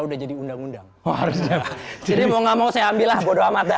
udah jadi undang undang harusnya jadi mau nggak mau saya ambil aja ya pak jokowi ya pak jokowi ya pak